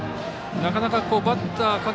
なかなか各バッター